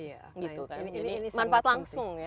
jadi manfaat langsung ya